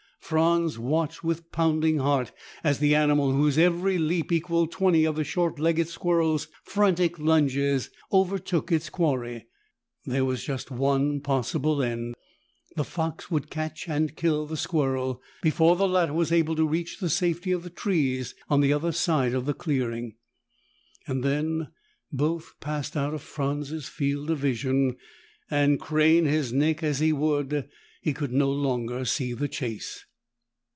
Franz watched with pounding heart as the animal, whose every leap equalled twenty of the short legged squirrel's frantic lunges, overtook its quarry. There was just one possible end, the fox would catch and kill the squirrel before the latter was able to reach the safety of the trees on the other side of the clearing. Then both passed out of Franz's field of vision and, crane his neck as he would, he could no longer see the chase.